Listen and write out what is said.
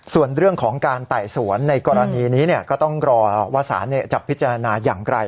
ส่วนเรื่องของการไต่สวนในกรณีนี้เนี่ยก็ต้องรอวาสานเนี่ยจับพิจารณาอย่างไกล